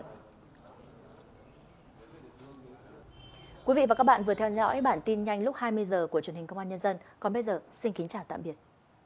thưa quý vị và các bạn vừa theo dõi bản tin nhanh lúc hai mươi h của truyền hình công an nhân dân còn bây giờ xin kính chào tạm biệt